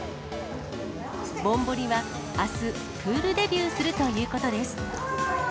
ぼんぼりは、あす、プールデビューするということです。